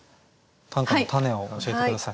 「短歌のたね」を教えて下さい。